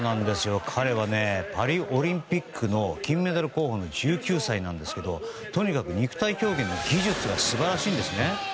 彼はパリオリンピックの金メダル候補の１９歳なんですけどとにかく肉体競技の技術が素晴らしいんですね。